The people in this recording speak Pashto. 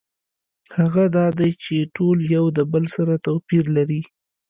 هغه دا دی چې ټول یو د بل سره توپیر لري.